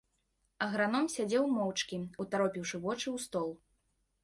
Аграном сядзеў моўчкі, утаропіўшы вочы ў стол.